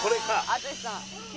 淳さん。